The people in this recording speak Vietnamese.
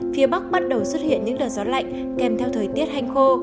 phía bắc bắt đầu xuất hiện những đợt gió lạnh kèm theo thời tiết hành khô